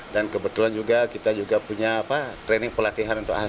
dan kebetulan juga kita punya training pelatihan untuk ahli